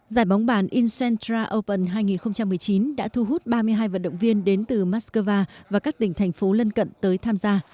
giải bóng bàn incentra open hai nghìn một mươi chín đã thu hút ba mươi hai vận động viên đến từ moscow và các tỉnh thành phố lân cận tới tham gia